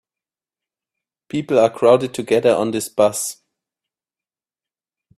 People are crowded together on this bus.